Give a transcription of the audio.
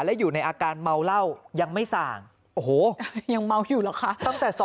และอยู่ในอาการเมาเหล้ายังไม่ส่างโอ้โหยังเมาอยู่เหรอคะ